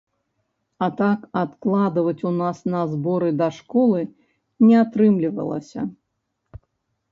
А так адкладваць у нас на зборы да школы не атрымлівалася.